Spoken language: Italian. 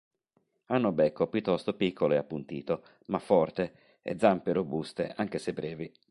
Hanno becco piuttosto piccolo e appuntito, ma forte, e zampe robuste anche se brevi.